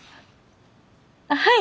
はい！